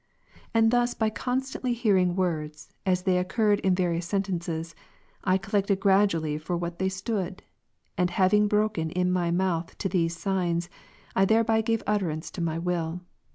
And thus by constantly hearing words, as they occurred in various sentences, I collected gradually for what they stood; and having broken in my mouth to these signs, I thei'eby gave utterance to my will.